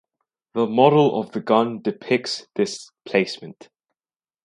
The model of the gun depicts this placement.